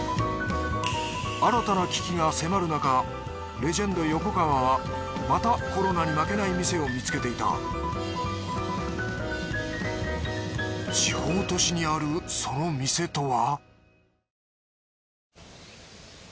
レジェンド横川はまたコロナに負けない店を見つけていた地方都市にあるその店とは？